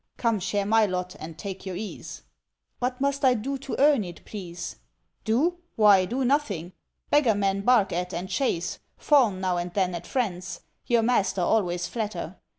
Come, share my lot, and take your ease." "What must I do to earn it, please?" "Do? why, do nothing! Beggar men Bark at and chase; fawn now and then At friends; your master always flatter.